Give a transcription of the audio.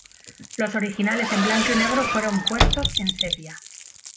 Los originales en blanco y negro fueron puestos en sepia.